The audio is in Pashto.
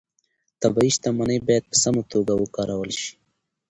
طبیعي شتمنۍ باید په سمه توګه وکارول شي